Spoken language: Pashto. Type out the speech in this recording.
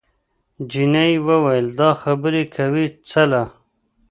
جینۍ وویل دا خبرې کوې څله؟